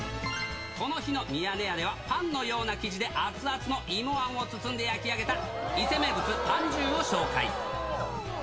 この日のミヤネ屋では、パンのような生地で熱々のいもあんを包んで焼き上げた、伊勢名物、ぱんじゅうを紹介。